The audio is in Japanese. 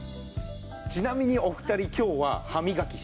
ちなみにお二人今日は歯磨きしましたか？